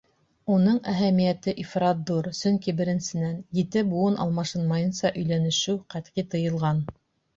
Уның әһәмиәте ифрат ҙур, сөнки, беренсенән, ете быуын алмашынмайынса өйләнешеү ҡәтғи тыйылған.